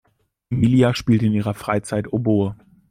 Emilia spielt in ihrer Freizeit Oboe.